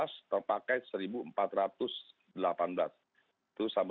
jadi memang posisi hari ini rumah rumah sakit kita umumnya penuh dan hampir